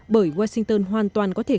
bởi washington hoàn toàn có thể